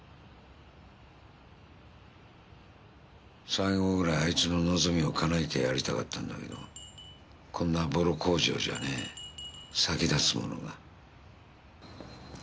最後ぐらいあいつの望みを叶えてやりたかったんだけどこんなボロ工場じゃね先立つものが。